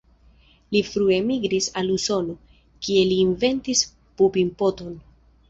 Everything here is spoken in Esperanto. Li frue migris al Usono, kie li inventis Pupin-poton.